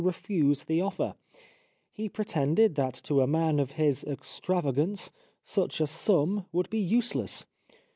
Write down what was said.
refuse the offer. He pretended that to a man of his extravagance such a sum would be useless.